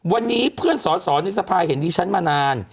วันนี้เพื่อนสอสอในสภาเห็นดิฉันมานาน